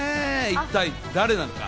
一体誰なのか？